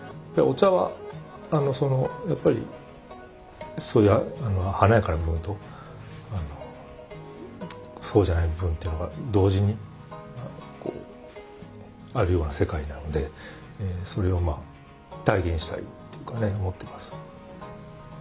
お茶はやっぱりそういう華やかな部分とそうじゃない部分っていうのが同時にあるような世界なんでそれをまあ体現したいっていうかね思ってます。